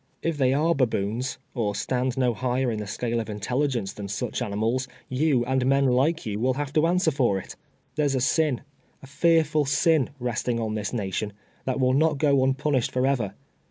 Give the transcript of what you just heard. If they are baboons, or stand no 2C8 TWELVE TEARS A SLATE. higher in the scale of intelligence than such animals, you and men like you will have to answer for it. There's a sin, a fearful sin, resting on this nation, that will not go unpunished forever.